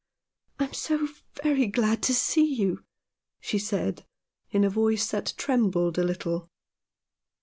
" I am so very glad to see you," she said in a voice that trembled a little.